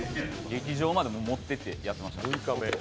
劇場まで持っていってやってました。